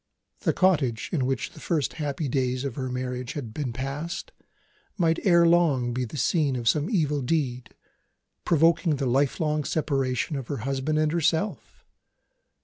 The cottage, in which the first happy days of her marriage had been passed, might ere long be the scene of some evil deed, provoking the lifelong separation of her husband and herself!